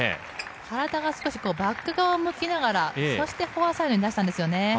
体がバック側を向きながらフォアサイドに出したんですよね。